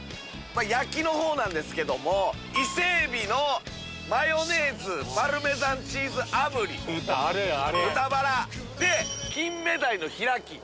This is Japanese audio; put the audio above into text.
焼きのほうなんですけども伊勢海老のマヨネーズ・パルメザンチーズ炙り豚バラで金目鯛の開き。